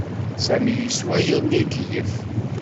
Sami yeswa yerna ikeyyef.